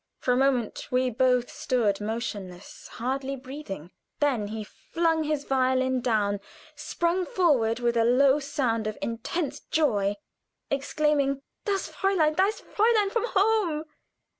For a moment we both stood motionless hardly breathing; then he flung his violin down, sprung forward with a low sound of intense joy, exclaiming: "Das Fräulein, das Fräulein, from home!"